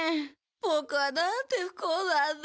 ボクはなんて不幸なんだ。